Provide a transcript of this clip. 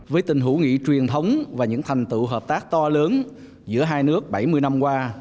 với tình hữu nghị truyền thống và những thành tựu hợp tác to lớn giữa hai nước bảy mươi năm qua